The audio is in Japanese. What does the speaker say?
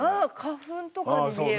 花粉とかに見える。